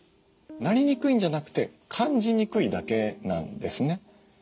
なりにくいんじゃなくて感じにくいだけなんですね。